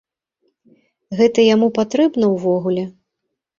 Гэта яму патрэбна ўвогуле?